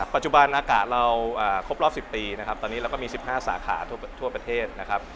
ปัจจุบันอากาศเราครบรอบ๑๐ปีตอนนี้เราก็มี๑๕สาขาทั่วประเทศ